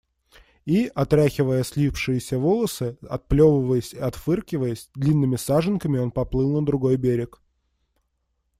И, отряхивая слипшиеся волосы, отплевываясь и отфыркиваясь, длинными саженками он поплыл на другой берег.